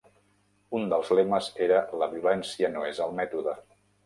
Un dels lemes era "la violència no és el mètode".